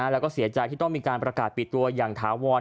แล้วก็เสียใจที่ต้องมีการประกาศปิดตัวอย่างถาวร